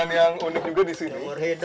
dan yang unik juga di sini